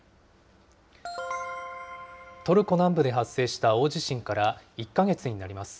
トルコ南部で発生した大地震から１か月になります。